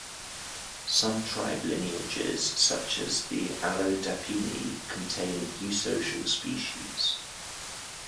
Some tribe lineages, such as the Allodapini, contain eusocial species.